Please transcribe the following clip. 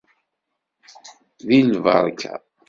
D lberka.